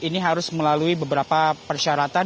ini harus melalui beberapa persyaratan